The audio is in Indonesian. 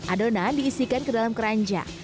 adonan diisikan ke dalam keranjang